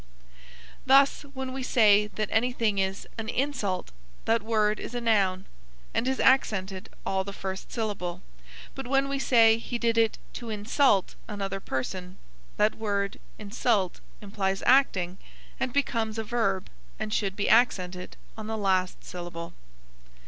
Thus when we say that anything is "an in'sult," that word is a noun, and is accented all the first syllable; but when we say he did it "to insult' another person," that word insult' implies acting, and becomes a verb, and should be accented on the last syllable.